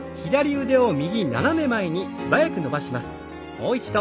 もう一度。